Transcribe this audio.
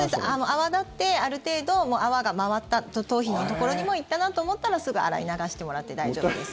泡立ってある程度もう泡が回った頭皮のところにも行ったなと思ったらすぐ洗い流してもらって大丈夫です。